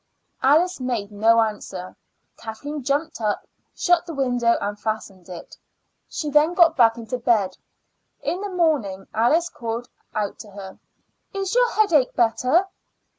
Alice made no answer. Kathleen jumped up, shut the window, and fastened it. She then got back into bed. In the morning Alice called out to her: "Is your headache better?"